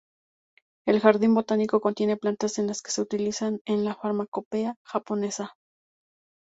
El jardín botánico contiene plantas de las que se utilizan en la farmacopea japonesa.